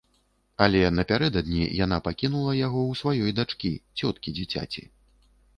Але напярэдадні яна пакінула яго ў сваёй дачкі, цёткі дзіцяці.